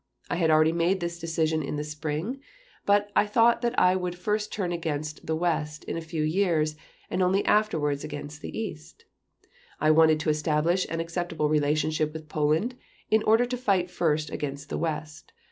I had already made this decision in the spring, but I thought that I would first turn against the West in a few years, and only afterwards against the East ... I wanted to establish an acceptable relationship with Poland in order to fight first against the West.